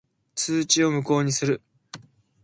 通知を無効にする。